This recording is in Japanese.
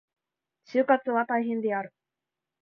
就活は大変である。